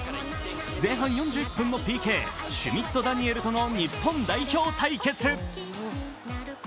前半４１分のＰＫ、シュミット・ダニエルとの日本代表対決。